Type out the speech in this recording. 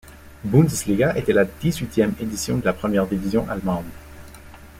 Bundesliga était la dix-huitième édition de la première division allemande.